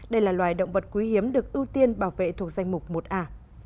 đây là loài động vật quý hiếm được ưu tiên bảo vệ thuộc danh mục một a